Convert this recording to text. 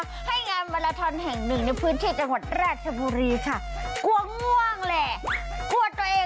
คุณตำหนวดแล้วก็เลลาไม่ธรรมดาเหมือนกันนะคะ